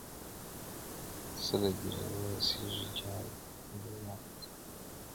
خله دې راوسپړي جاري دې خپل بيان اوساتي